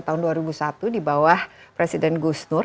tahun dua ribu satu di bawah presiden gus nur